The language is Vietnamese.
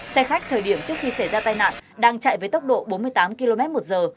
xe khách thời điểm trước khi xảy ra tai nạn đang chạy với tốc độ bốn mươi tám km một giờ